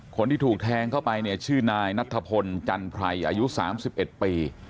คนที่ถูกแทงเข้าไปเนี่ยชื่อนายนัทธพลจันไพรอายุ๓๑ปี